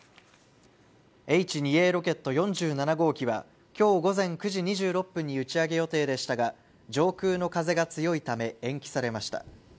Ｈ２Ａロケット４７号機は今日午前９時２６分に打ち上げ予定でしたが上空の風が強いため延期されました